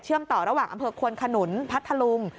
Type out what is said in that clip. ต่อระหว่างอำเภอควนขนุนพัทธลุง